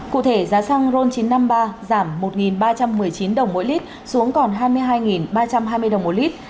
cụ thể giá xăng ron chín trăm năm mươi ba giảm một ba trăm một mươi chín đồng mỗi lit xuống còn hai mươi hai ba trăm hai mươi đồng một lít